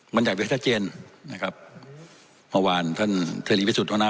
มันจากวิทยาเจนนะครับเมื่อวานท่านเทรียริวิสุทธิ์ธรรมนา